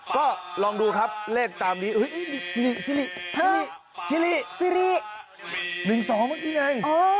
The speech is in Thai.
ก็ลองดูครับเลขตามนี้สิริสิริ๑๒เมื่อกี้ไง